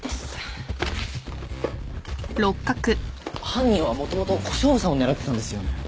犯人はもともと小勝負さんを狙ってたんですよね？